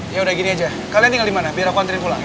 ya udah gini aja kalian tinggal dimana biar aku anterin pulang ya